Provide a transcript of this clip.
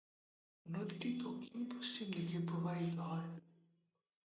নদীটি দক্ষিণ-পশ্চিম দিকে প্রবাহিত হয়।